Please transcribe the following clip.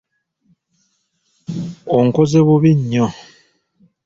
Onkoze bubi nnyo!